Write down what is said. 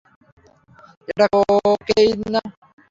এটা কোকেইন না।